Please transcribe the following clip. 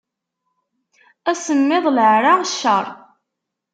Asemmiḍ, leɛra, cceṛ.